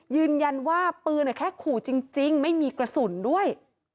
ยืนยันว่าปืนแค่ขู่จริงไม่มีกระสุนด้วย